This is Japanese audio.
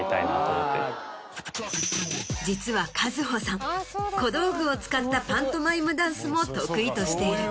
実はＫａｚｕｈｏさん小道具を使ったパントマイムダンスも得意としている。